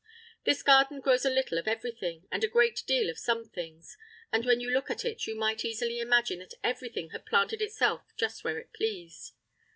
This garden grows a little of everything, and a great deal of some things, and when you look at it you might easily imagine that everything had planted itself just where it pleased.